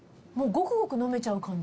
ゴクゴク飲めちゃう感じ？